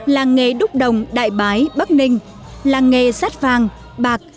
làng nghề đúc đồng đại bái bắc ninh làng nghề sắt vàng bạc